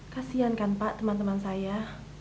kasian kan pak teman teman saya